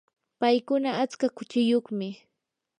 paykuna atska kuchiyuqmi.